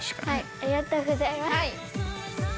はい。